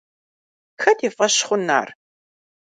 Хэт и фӏэщ хъун ар?